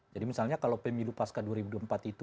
jadi misalnya kalau pmi lupas k dua ribu dua puluh empat itu